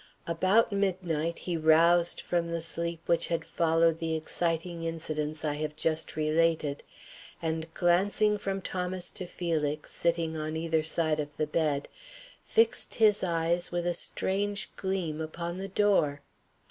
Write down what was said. About midnight he roused from the sleep which had followed the exciting incidents I have just related, and glancing from Thomas to Felix, sitting on either side of the bed, fixed his eyes with a strange gleam upon the door.